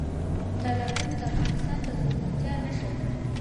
تالابونه د افغانستان د زرغونتیا نښه ده.